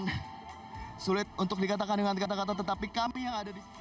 ini sulit untuk dikatakan dengan kata kata tetapi kami yang ada di sini